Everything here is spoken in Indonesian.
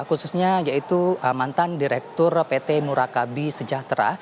khususnya yaitu mantan direktur pt nurakabi sejahtera